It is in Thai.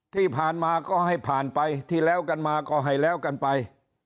ที่ผ่านมาก็ให้ผ่านไปที่แล้วกันมาก็ให้แล้วกันไป